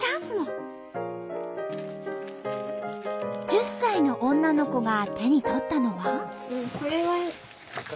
時には１０歳の女の子が手に取ったのは。